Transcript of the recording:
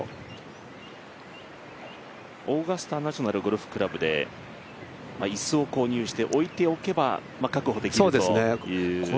オーガスタ・ナショナル・ゴルフクラブで椅子を購入して置いておけば、確保できるということですね。